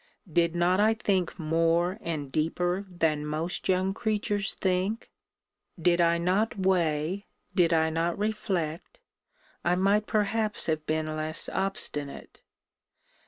Did not I think more and deeper than most young creatures think; did I not weigh, did I not reflect, I might perhaps have been less obstinate.